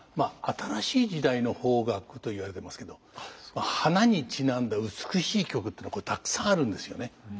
新しい時代の邦楽といわれてますけど花にちなんだ美しい曲っていうのはこれたくさんあるんですよね。